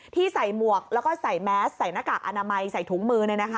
ที่ใส่หมวกแล้วก็ใส่แมสใส่หน้ากากอนามัยใส่ถุงมือ